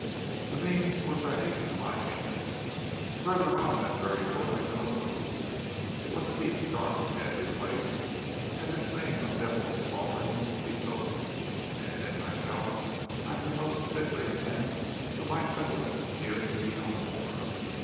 "The means were ready to my hand. Further on in that very wood I knew of a pool. It was a deep, dark, deadly place, as its name of Devil's Cauldron betokens, and in it I felt I could most fitly end the life that was dear to no one.